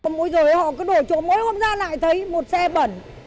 mỗi rồi họ cứ đổ chỗ mỗi hôm ra lại thấy một xe bẩn